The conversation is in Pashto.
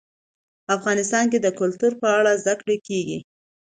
افغانستان کې د کلتور په اړه زده کړه کېږي.